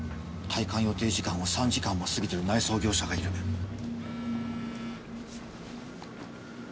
退館予定時間を３時間も過ぎてる内装業者がいる。